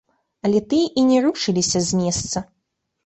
Але тыя і не рушыліся з месца.